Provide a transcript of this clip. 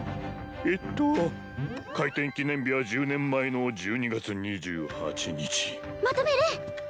えっと開店記念日は１０年前の１２月２８日まとめる！